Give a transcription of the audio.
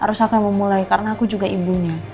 harus aku yang memulai karena aku juga ibunya